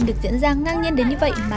thôi nhẹ nhàng với chó nhẹ nhàng